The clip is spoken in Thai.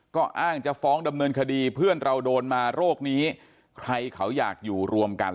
ก็อ้างจะฟ้องดำเนินคดีเพื่อนเราโดนมาโรคนี้ใครเขาอยากอยู่รวมกัน